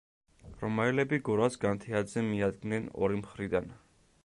რომაელები გორას განთიადზე მიადგნენ ორი მხრიდან.